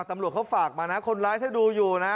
ตำรวจเขาฝากมานะคนร้ายถ้าดูอยู่นะ